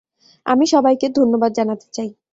আমি সবাইকে ধন্যবাদ জানাতে চাই।